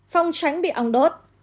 phòng tránh bị ong đốt